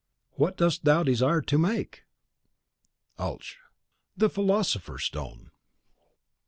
What dost thou desire to make? Alch: The Philosopher's Stone.